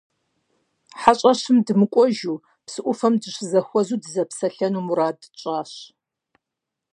ХьэщӀэщым дымыкӀуэжу, псы ӏуфэм дыщызэхуэзэу дызэпсэлъэну мурад тщӏащ.